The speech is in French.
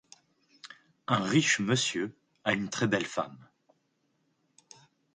Un riche monsieur a une très belle femme.